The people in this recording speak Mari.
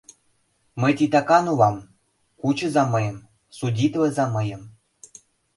— «Мый титакан улам, кучыза мыйым, судитлыза мыйым».